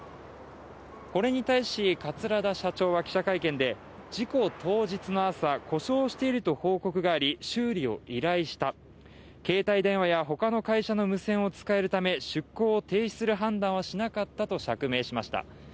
これに対し、桂田社長は記者会見で事故当日の朝、故障していると報告があり修理を依頼した、携帯電話や他の会社の無線を使えるため出港を停止する判断はしなかったと釈明しました。